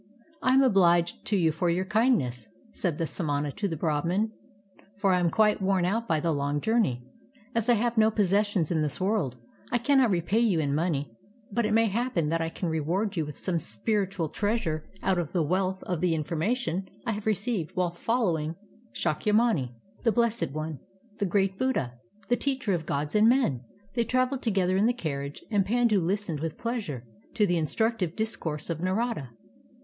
" I am obHged to you for your kindness," said the samana to the Brahman, " for I am quite worn out by the long journey. As I have no possessions in this world, I cannot repay you in money ; but it may happen that I can reward you with some spiritual treasure out of the wealth of the in formation I have received while following Shakyamuni, the Blessed One, the Great Buddha, the Teacher of gods and men." They traveled together in the carriage and Pandu lis tened with pleasure to the instructive discourse of Narada.